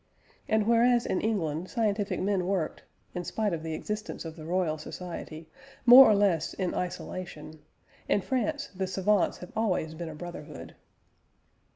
And whereas in England, scientific men worked (in spite of the existence of the Royal Society) more or less in isolation, in France the savants have always been a brotherhood.